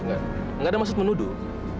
nggak ada maksud menuduh